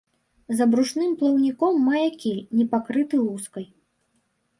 За брушным плаўніком мае кіль, не пакрыты лускай.